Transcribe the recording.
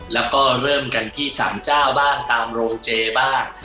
แล้วก็เริ่มกันที่สามเจ้าบ้างตามโรงเจบ้าง